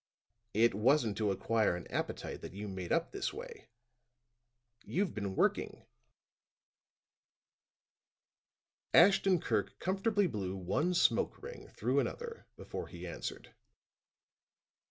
"It wasn't to acquire an appetite that you made up this way. You've been working." Ashton Kirk comfortably blew one smoke ring through another before he answered.